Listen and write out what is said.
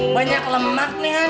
banyak lemak nih kan